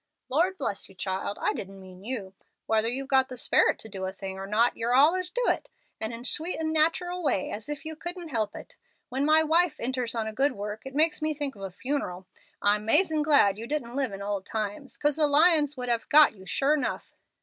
"Lord bless you, child, I didn't mean you. Whether you've got the sperit to do a thing or not yer allers do it, and in a sweet, natteral way, as if you couldn't help it. When my wife enters on a good work it makes me think of a funeral. I'm 'mazin' glad you didn't live in old times, 'cause the lions would have got you sure 'nuff.